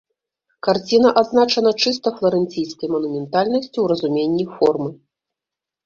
Карціна адзначана чыста фларэнційскай манументальнасцю ў разуменні формы.